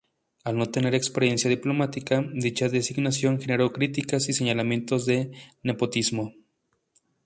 Al no tener experiencia diplomática, dicha designación generó críticas y señalamientos de nepotismo.